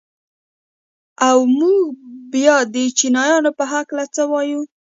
او موږ بيا د چينايانو په هکله څه وايو؟